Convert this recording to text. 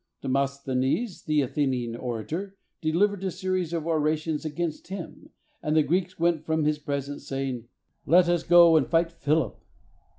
Demosthenes, the Athenian orator, delivered a series of ora tions against him, and the Greeks went from his presence saying, "Let us go and fight Philip